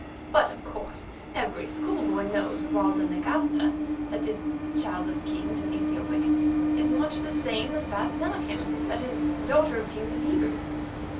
But, of course, as every schoolboy knows, Walda Nagasta—that is, Child of Kings in Ethiopic—is much the same as Bath Melachim—that is, Daughter of Kings in Hebrew."